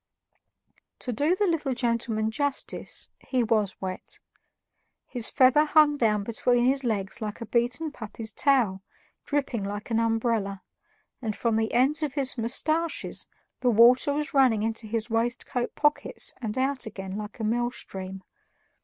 To do the little gentleman justice, he WAS wet. His feather hung down between his legs like a beaten puppy's tail, dripping like an umbrella, and from the ends of his mustaches the water was running into his waistcoat pockets and out again like a mill stream.